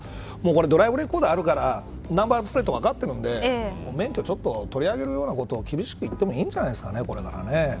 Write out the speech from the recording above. これドライブレコーダーがあるからナンバープレート分かってるんで免許を取り上げるようなことを厳しく言ってもいいんじゃないですかね、これから。